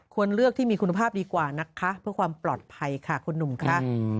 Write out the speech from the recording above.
ควรเลือกที่มีคุณภาพดีกว่านะคะเพื่อความปลอดภัยค่ะคุณหนุ่มค่ะ